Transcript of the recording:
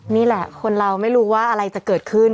นี่แหละคนเราไม่รู้ว่าอะไรจะเกิดขึ้น